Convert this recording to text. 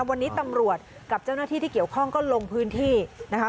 วันนี้ตำรวจกับเจ้าหน้าที่ที่เกี่ยวข้องก็ลงพื้นที่นะคะ